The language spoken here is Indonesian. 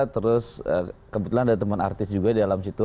terus kebetulan ada teman artis juga di dalam situ